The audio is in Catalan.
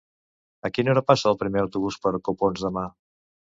A quina hora passa el primer autobús per Copons demà?